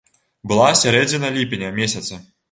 Была сярэдзіна ліпеня месяца.